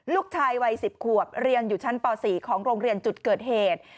ลูกชายวัย๑๐ขวบเรียนอยู่ชั้นป๔ของโรงเรียนจุดเกิดเหตุ